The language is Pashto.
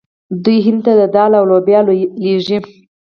دوی هند ته دال او لوبیا لیږي.